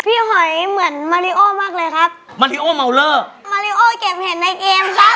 หอยเหมือนมาริโอมากเลยครับมาริโอเมาเลอร์มาริโอเก็บเห็ดในเกมครับ